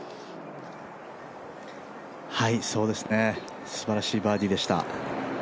すばらしいバーディーでした。